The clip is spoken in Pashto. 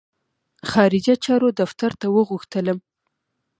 خارجه چارو دفتر ته وغوښتلم.